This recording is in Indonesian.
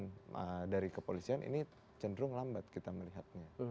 kemudian dari kepolisian ini cenderung lambat kita melihatnya